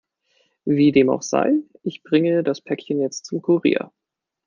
Wie dem auch sei, ich bringe das Päckchen jetzt zum Kurier.